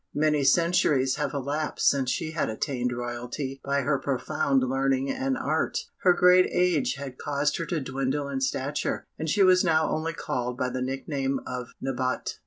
Many centuries having elapsed since she had attained royalty by her profound learning and art, her great age had caused her to dwindle in stature, and she was now only called by the nickname of Nabote.